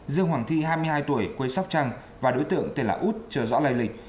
dương hoàng thi hai mươi hai tuổi quê sóc trăng và đối tượng tên là út chưa rõ lây lịch